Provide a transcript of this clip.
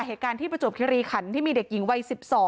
เหตุการณ์ที่ประจวบคิริขันที่มีเด็กหญิงวัย๑๒